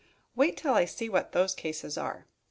Wait till I see what those cases are."